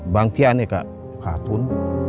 บางทีอันนี้ก็ขาดทุน